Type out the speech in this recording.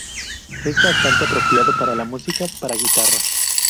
Es bastante apropiado para la música para guitarra.